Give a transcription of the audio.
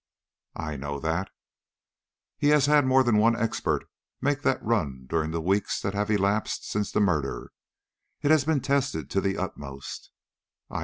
"I know that." "He has had more than one expert make that run during the weeks that have elapsed since the murder. It has been tested to the uttermost."